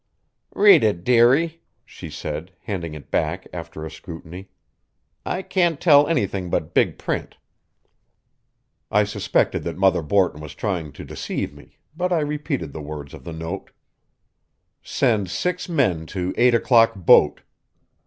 "Read it, dearie," she said, handing it back after a scrutiny. "I can't tell anything but big print." I suspected that Mother Borton was trying to deceive me, but I repeated the words of the note: "Send six men to 8 o'clock boat.